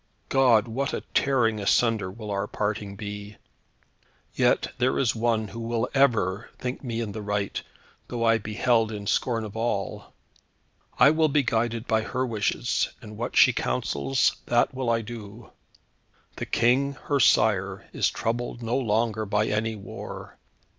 God, what a tearing asunder will our parting be! Yet there is one who will ever think me in the right, though I be held in scorn of all. I will be guided by her wishes, and what she counsels that will I do. The King, her sire, is troubled no longer by any war.